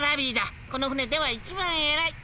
この船では一番えらい。